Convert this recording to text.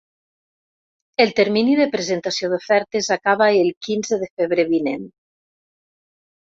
El termini de presentació d’ofertes acaba el quinze de febrer vinent.